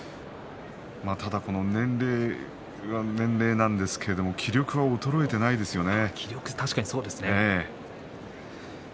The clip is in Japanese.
ただ年齢なんですけども気力が衰えていないですよね。